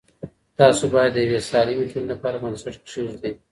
تاسو باید د یوې سالمه ټولنې لپاره بنسټ کېږدئ.